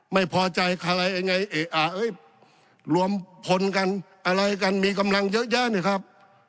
ไม่พอใจใครไงรวมพลกันอะไรกันมีกำลังเยอะแยะเนี่ยครับ